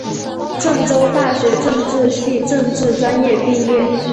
郑州大学政治系政治专业毕业。